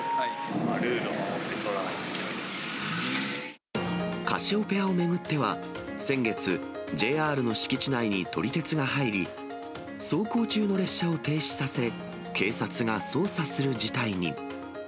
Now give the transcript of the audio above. ルールを守って撮らないといカシオペアを巡っては、先月、ＪＲの敷地内に撮り鉄が入り、走行中の列車を停止させ、警察が捜査する事態に。